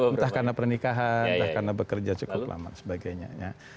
entah karena pernikahan entah karena bekerja cukup lama sebagainya